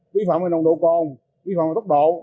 vi phạm về nồng độ cồn vi phạm về tốc độ